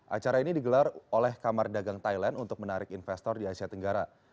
acara ini digelar oleh kamar dagang thailand untuk menarik investor di asia tenggara